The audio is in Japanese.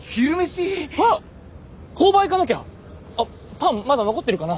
パンまだ残ってるかな。